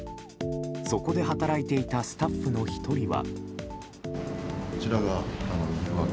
そこで働いていたスタッフの１人は。